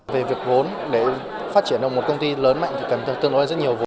về việc vốn để phát triển được một công ty lớn mạnh thì cần tương đối rất nhiều vốn